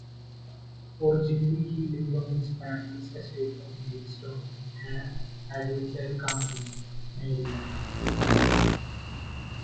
Originally he lived on his family's estate of Maidstone in Anne Arundel County, Maryland.